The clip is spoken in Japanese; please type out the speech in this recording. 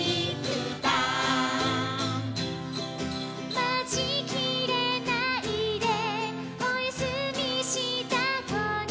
「待ちきれないでおやすみした子に」